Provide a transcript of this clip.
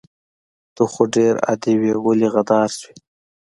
ته خو ډير عادي وي ولې غدار شوي